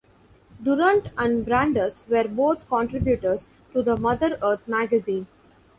Durant and Brandes were both contributors to the "Mother Earth" magazine.